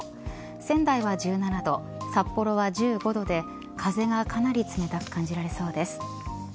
仙台は１７度札幌は１５度で風が、かなり冷たく感じられそうです。